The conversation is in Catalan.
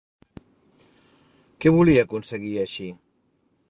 Què volia aconseguir així?